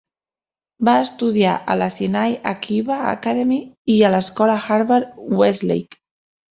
Va estudiar a la Sinai Akiba Academy i a l'escola Harvard-Westlake.